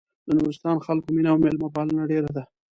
د نورستان خلکو مينه او مېلمه پالنه ډېره ده.